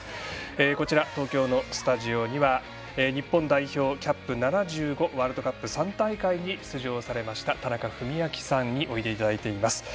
こちら、東京のスタジオには日本代表キャップ７５ワールドカップ３大会に出場されました田中史朗さんにおいでいただいています。